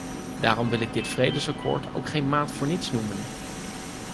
Daarom wil ik dit vredesakkoord ook geen maat voor niets noemen.